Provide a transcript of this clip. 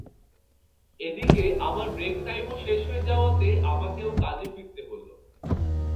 এদিকে আমার ব্রেক টাইমও শেষ হয়ে যাওয়াতে আমাকেও কাজে ফিরতে হলো।